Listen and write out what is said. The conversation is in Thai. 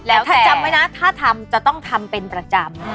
แล้วถ้าจำไว้นะถ้าทำจะต้องทำเป็นประจำ